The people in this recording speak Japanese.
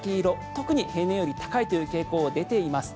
特に平年より高いという傾向が出ています。